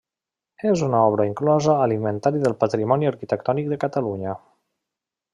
ÉS una obra inclosa a l'Inventari del Patrimoni Arquitectònic de Catalunya.